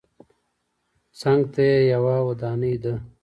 څنګ ته یې یوه ودانۍ ده.